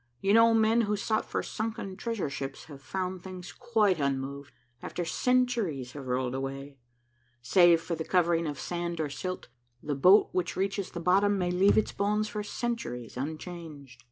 "You know men who sought for sunken treasure ships have found things quite unmoved, after centuries have rolled away. Save for the covering of sand or silt, the boat which reaches the bottom may leave its bones for centuries unchanged."